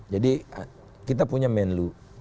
jadi kita punya menlo